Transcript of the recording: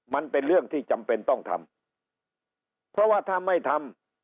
มันเป็นเรื่องที่จำเป็นต้องทำเพราะว่าถ้าไม่ทำ